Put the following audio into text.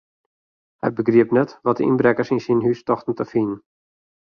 Hy begriep net wat de ynbrekkers yn syn hús tochten te finen.